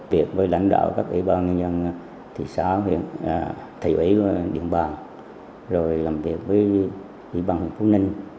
việc với lãnh đạo các ủy ban nhân dân thị xã thị ủy điện bà rồi làm việc với ủy ban huyện phú ninh